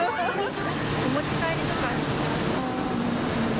お持ち帰りとかしそう。